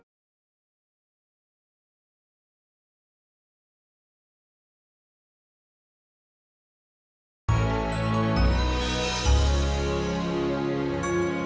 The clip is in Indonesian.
berapa lama ya pak